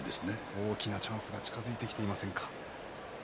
大きなチャンスが近づいていませんか？